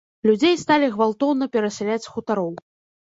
Людзей сталі гвалтоўна перасяляць з хутароў.